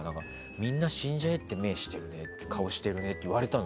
みんな死んじゃえって目してるね顔してるねって言われたの。